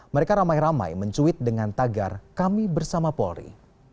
mereka ramai ramai mencuit dengan tagar kami bersama polri